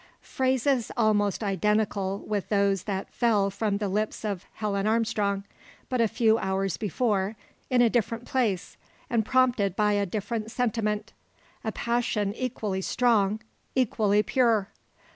Phrases almost identical with those that fell from the lips of Helen Armstrong, but a few hours before, in a different place, and prompted by a different sentiment a passion equally strong, equally pure!